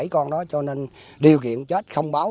năm bảy con đó cho nên điều kiện chết không báo